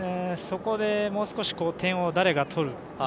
そこでもう少し点を、誰が取るか。